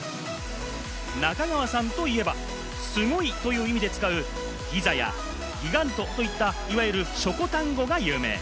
中川さんといえば、「すごい」という意味で使う「ギザ」や「ギガント」といった、いわゆる「しょこたん語」が有名。